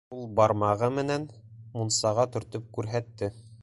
Ул бармағы менән мунсаға төртөп күрһәтте.